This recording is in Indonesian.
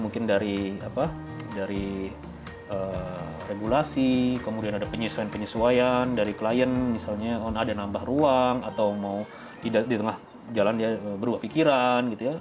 mungkin dari regulasi kemudian ada penyesuaian penyesuaian dari klien misalnya ada nambah ruang atau mau tidak di tengah jalan dia berubah pikiran gitu ya